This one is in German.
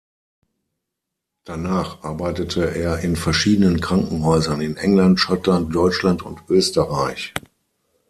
Danach arbeitete er in verschiedenen Krankenhäusern in England, Schottland, Deutschland und Österreich.